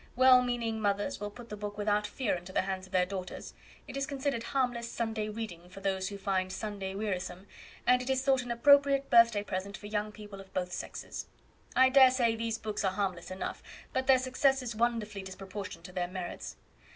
Well meaning mothers will put the book without fear into the hands of their daughters. It is considered harmless Sunday reading for those who find Sunday wearisome, and it is thought an appropriate birth day present for young people of both sexes. I dare say these books are harmless enough, but their success is wonderfully disproportioned to their merits.